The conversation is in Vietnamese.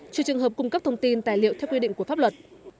trừ trường hợp cung cấp thông tin tài liệu theo quy định của pháp luật